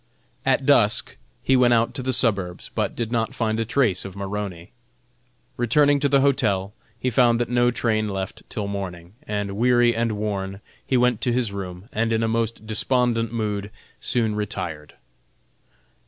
At dusk he went out to the suburbs, but did not find a trace of Maroney. Returning to the hotel, he found that no train left till morning, and weary and worn he went to his room, and in a most despondent mood, soon retired.